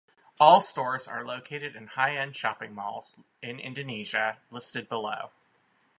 All stores are located in high-end shopping malls in Indonesia, listed below.